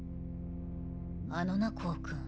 あのなコウ君。